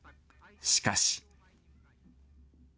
しかし。